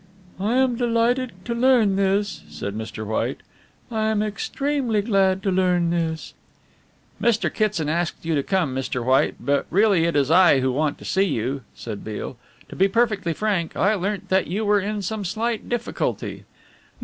"I am delighted to learn this," said Mr. White. "I am extremely glad to learn this." "Mr. Kitson asked you to come, Mr. White, but really it is I who want to see you," said Beale. "To be perfectly frank, I learnt that you were in some slight difficulty."